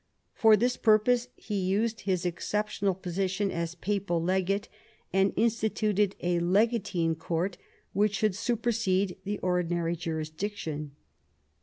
/ f For this purpose he used his exceptional position asp Papal Legate, and instituted a legatine court which should supersede the ordinary jurisdiction.